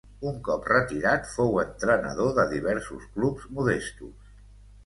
Un cop retirat fou entrenador de diversos clubs modestos.